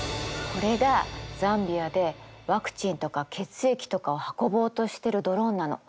これがザンビアでワクチンとか血液とかを運ぼうとしてるドローンなの。